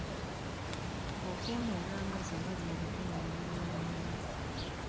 Okwonoona amazzi agali mu bitundu ebiriraanyeewo.